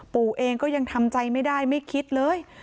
ปู่เองก็ยังทำใจไม่ได้ไม่คิดเลย